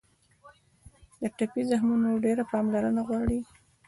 د ټپي زخمونه ډېره پاملرنه غواړي.